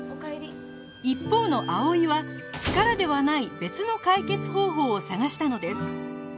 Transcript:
一方の葵は力ではない別の解決方法を探したのです